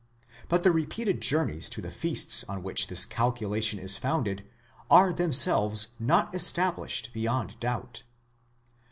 But the repeated journeys to the feasts on which this calculation is founded are themselves not established beyond doubt.